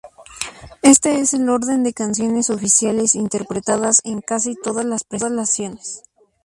Este es el orden de canciones oficiales interpretadas en casi todas las presentaciones.